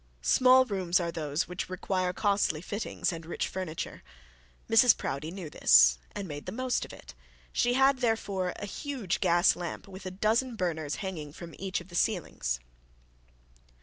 Small rooms are those which require costly fittings and rich furniture. Mrs Proudie knew this, and made the most of it; she had therefore a huge gas lamp with a dozen burners hanging from each of the ceilings.